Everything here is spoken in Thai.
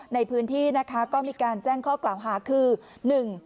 ในพื้นที่ก็มีการแจ้งข้อกล่าวฮาคือ